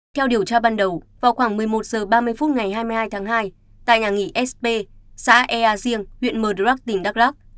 theo điều tra ban đầu vào khoảng một mươi một h ba mươi phút ngày hai mươi hai tháng hai tại nhà nghỉ sp xã ea giêng huyện mờ rắc tỉnh đắk lắc